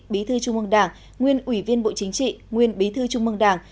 bế thư trung mương đảng nguyên ủy viên bộ chính trị nguyên bế thư trung mương đảng